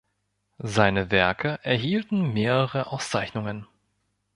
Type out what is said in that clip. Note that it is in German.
Seine Werke erhielten mehrere Auszeichnungen.